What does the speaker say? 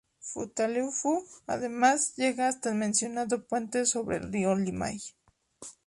Futaleufú, además, llega hasta el mencionado puente sobre el río Limay.